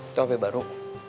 itu hp baru